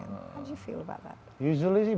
bagaimana perasaan anda tentang itu